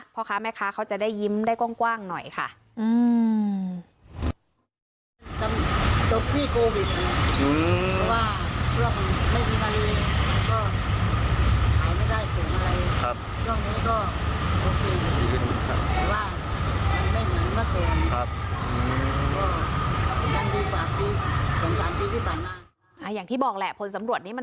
เพราะค่ะแม่ค้าเขาจะได้ยิ้มได้กว้างกว้างหน่อยค่ะอืม